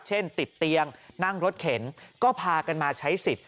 เช่นติดเตียงนั่งรถเข็นก็พากันมาใช้สิทธิ